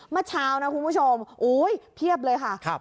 เมื่อเช้านะคุณผู้ชมเพียบเลยค่ะ